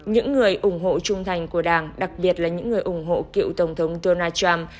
những người ủng hộ trung thành của đảng đặc biệt là những người ủng hộ cựu tổng thống donald trump